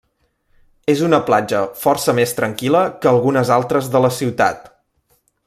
És una platja força més tranquil·la que algunes altres de la ciutat.